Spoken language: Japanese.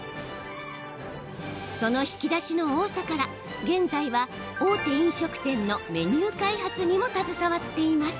その引き出しの多さから、現在は大手飲食店のメニュー開発にも携わっています。